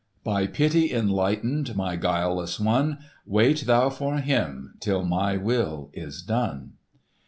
"'By pity enlightened, My guileless one,— Wait thou for him Till my will is done!